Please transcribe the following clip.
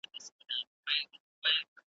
او نه معنوي مرسته ورسره کړې ده .